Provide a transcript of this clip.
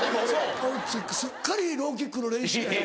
すっかりローキックの練習やと。